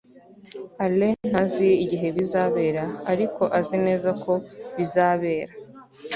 alain ntazi igihe bizabera, ariko azi neza ko bizabera